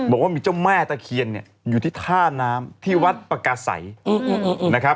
บอกว่ามีเจ้าแม่ตะเคียนอยู่ที่ท่าน้ำที่วัฒน์ปกไอส์